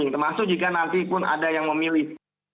termasuk jika nanti pun ada yang memilih